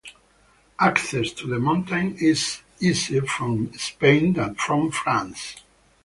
Access to the mountain is easier from Spain than from France.